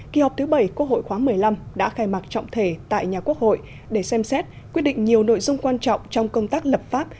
kỳ họp thứ bảy quốc hội khóa một mươi năm đã khai mạc trọng thể tại nhà quốc hội để xem xét quyết định nhiều nội dung quan trọng trong công tác lập pháp